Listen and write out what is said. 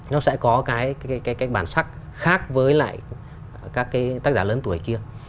nó sẽ có cái bản sắc khác với lại các cái tác giả lớn tuổi kia